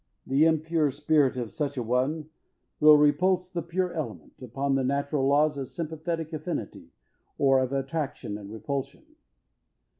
The impure spirit of such a one will repulse the pure element, upon the natural laws of sympathetic affinity, or of attraction and repulsion.